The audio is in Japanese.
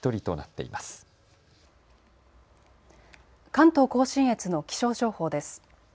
関東甲信越の気象情報です。